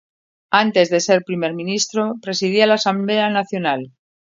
Antes de ser primer ministro presidía la Asamblea Nacional.